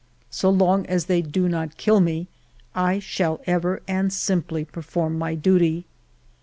So long as they do not kill me, I shall ever and simply perform my duty.